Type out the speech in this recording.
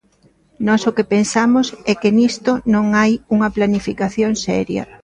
Nós o que pensamos é que nisto non hai unha planificación seria.